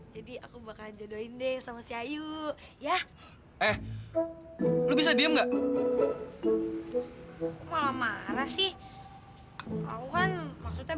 jadi aku bakalan jodohin deh sama si ayu ya eh bisa diem enggak malah marah sih aku kan maksudnya